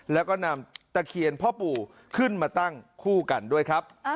แล้วก็นำตะเคียนพ่อปู่ขึ้นมาตั้งคู่กันด้วยครับ